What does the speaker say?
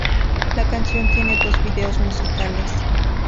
La canción tiene dos videos musicales.